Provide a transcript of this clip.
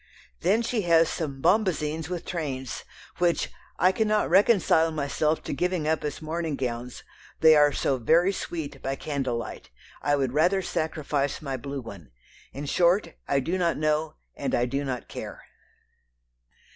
Then she has some "bombazins" with trains, which "I cannot reconcile myself to giving up as morning gowns; they are so very sweet by candlelight. I would rather sacrifice my blue one ... in short I do not know and I do not care."